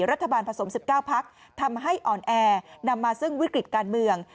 รัฐบาลผสม๑๙พักทำให้อ่อนแอนำมาซึ่งวิกฤตการเมือง